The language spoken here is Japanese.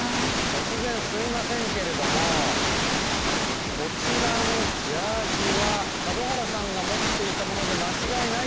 突然すいませんけれどもこちらのジャージは門原さんが持っていたもので間違いないですか？